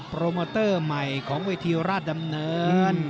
โปรโมเตอร์ใหม่ของเวทีราชดำเนิน